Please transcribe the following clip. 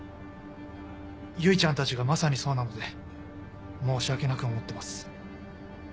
唯ちゃんたちがまさにそうなので申し訳なく思ってます。